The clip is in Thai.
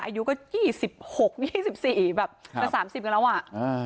อายุก็๒๖๒๔แบบตั้งจาก๓๐กันแล้วอ่า